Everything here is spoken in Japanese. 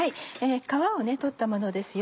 皮を取ったものですよ。